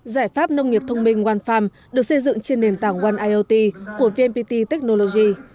giải pháp nông nghiệp thông minh one farm được xây dựng trên nền tảng one iot của vnpt technology